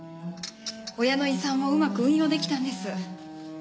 親の遺産をうまく運用出来たんです。